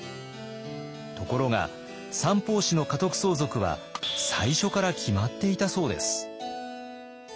ところが三法師の家督相続は最初から決まっていたそうです。